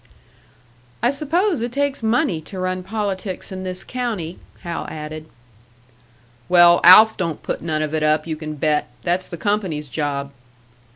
"I suppose it takes money to run politics in this county," Hal added. "Well, Alf don't put none of it up, you can bet! That's the company's job."